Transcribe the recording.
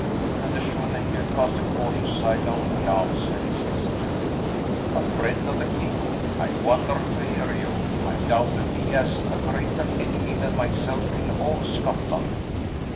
and the shoemaker cast a cautious sidelong glance at his visitor. "A friend of the king? I wonder to hear you! I doubt if he has a greater enemy than myself in all Scotland."